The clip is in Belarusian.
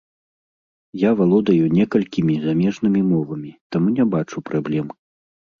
Я валодаю некалькімі замежнымі мовамі, таму не бачу праблем.